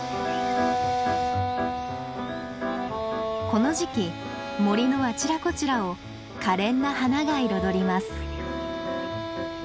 この時期森のあちらこちらを可憐な花が彩ります。